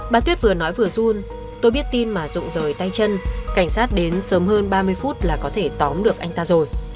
bà tuyết vừa nói vừa run tôi biết tin mà rụng rời tay chân cảnh sát đến sớm hơn ba mươi phút là có thể tóm được anh ta rồi